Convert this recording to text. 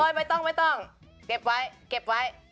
โอ้ยไม่ต้องเก็บไว้